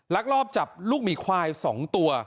รักรอบจับลูกหมี่ควายสองตัว